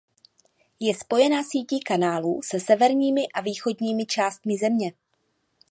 Je spojená sítí kanálů se severními a východními částmi země.